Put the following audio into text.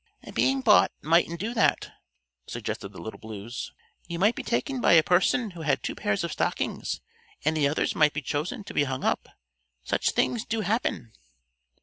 "Being bought mightn't do that," suggested the Little Blues. "You might be taken by a person who had two pairs of stockings, and the others might be chosen to be hung up. Such things do happen."